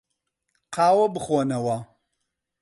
قاوە بخۆنەوە.